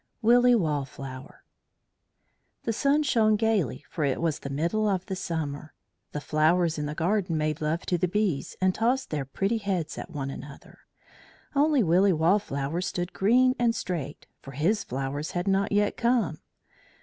WILLY WALLFLOWER The sun shone gaily, for it was the middle of summer. The flowers in the garden made love to the bees and tossed their pretty heads at one another. Only Willy Wallflower stood green and straight, for his flowers had not yet come.